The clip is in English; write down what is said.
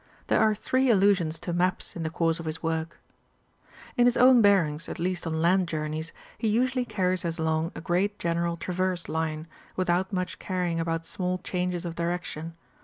There are three allusions to maps in the course of his work (11. 245, 312, 424). In his own bearings, at least on land journeys, he usually carries us along a great general traverse line, without much caring about small changes of direction.